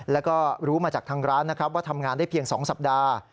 แล้วก็รู้มาจากทางร้านนะครับว่าทำงานได้เพียง๒สัปดาห์